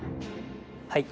はい。